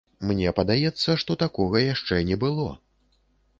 Мне падаецца, што такога яшчэ не было!